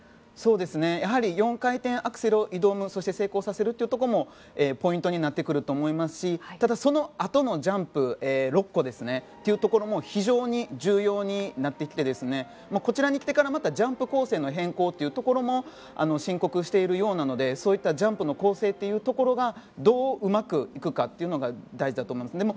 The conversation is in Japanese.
やはり４回転アクセルに挑むそして成功させるというところもポイントになってくると思いますしそのあとのジャンプ６個というところも非常に重要になってきてこちらに来てからまた、ジャンプ構成の変更というところも申告しているようなのでそういったジャンプの構成というところがどううまくいくかというのが大事だと思います。